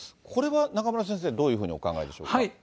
これは中村先生、どういうふうにお考えでしょうか。